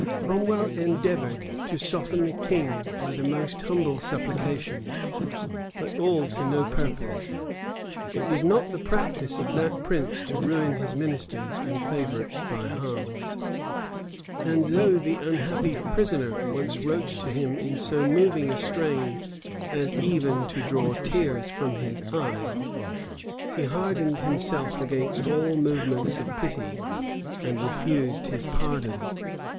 Cromwell endeavored to soften the king by the most humble supplications; but all to no purpose: it was not the practice of that prince to ruin his ministers and favorites by halves; and though the unhappy prisoner once wrote to him in so moving a strain as even to draw tears from his eyes, he hardened himself against all movements of pity, and refused his pardon.